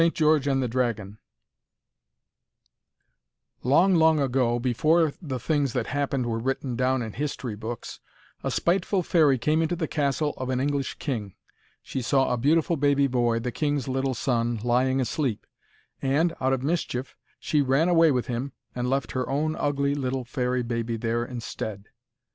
GEORGE AND THE DRAGON Long, long ago, before the things that happened were written down in history books, a spiteful fairy came into the castle of an English king. She saw a beautiful baby boy, the king's little son, lying asleep, and, out of mischief, she ran away with him and left her own ugly little fairy baby there instead.